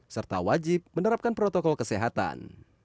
serta wajib menerapkan protokol kesehatan